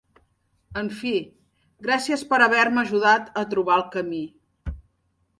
En fi, gràcies per haver-me ajudat a trobar el camí.